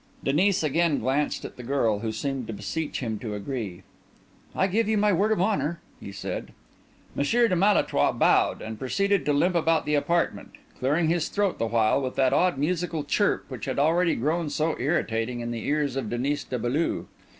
Denis again glanced at the girl, who seemed to beseech him to agree. "I give you my word of honour," he said. Messire de Malétroit bowed, and proceeded to limp about the apartment, clearing his throat the while with that odd musical chirp which had already grown so irritating in the ears of Denis de Beaulieu.